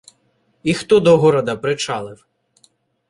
І хто до города причалив?